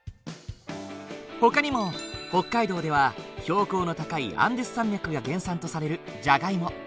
ほかにも北海道では標高の高いアンデス山脈が原産とされるジャガイモ。